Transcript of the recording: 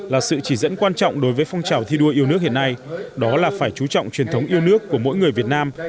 là sự chỉ dẫn quan trọng đối với phong trào thi đua yêu nước hiện nay đó là phải chú trọng truyền thống yêu nước của mỗi người việt nam